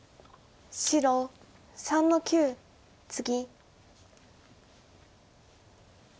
白３の九ツギ。